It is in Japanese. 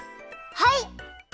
はい！